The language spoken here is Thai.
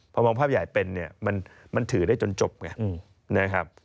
พอมองภาพใหญ่เป็นมันถือได้จนจบ